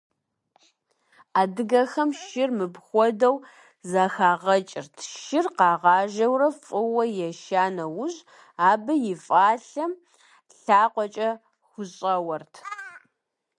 Адыгэхэм шыр мыпхуэдэу зэхагъэкӀырт: шыр къагъажэурэ фӀыуэ еша нэужь, абы и фӀалъэм лъакъуэкӀэ хущӀэуэрт.